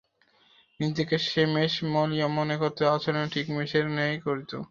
নিজেকে সে মেষ বলিয়া মনে করিত এবং আচরণও ঠিক মেষের ন্যায়ই করিত।